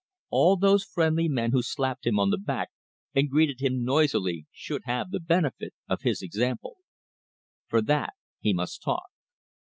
All those friendly men who slapped him on the back and greeted him noisily should have the benefit of his example. For that he must talk.